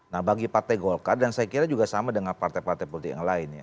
nah bagi partai golkar dan saya kira juga sama dengan partai partai politik yang lain ya